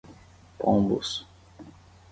Pombos